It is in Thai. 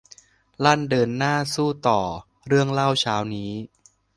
ลั่นเดินหน้าสู้ต่อ เรื่องเล่าเช้านี้